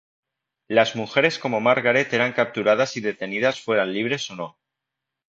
Las mujeres como Margaret eran capturadas y detenidas fueran libres o no.